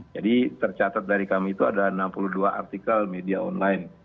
tercatat dari kami itu ada enam puluh dua artikel media online